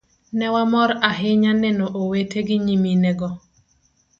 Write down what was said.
Ne wamor ahinya neno owete gi nyiminego.